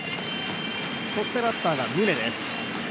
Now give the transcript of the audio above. そしてバッターが宗です。